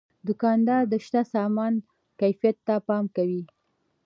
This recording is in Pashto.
دوکاندار د شته سامان کیفیت ته پام کوي.